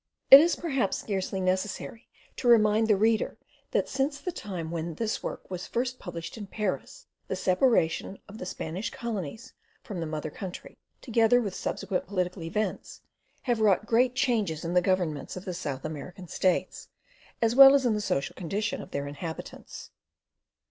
It is, perhaps, scarcely necessary to remind the reader that since the time when this work was first published in Paris, the separation of the Spanish Colonies from the mother country, together with subsequent political events, have wrought great changes in the governments of the South American States, as well as in the social condition of their inhabitants.